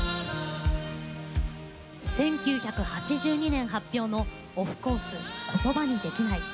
１９８２年発表のオフコース「言葉にできない」。